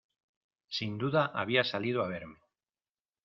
Sin duda había salido a verme.